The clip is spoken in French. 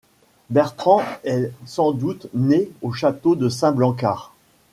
Bertrand est sans doute né au château de Saint-Blancard.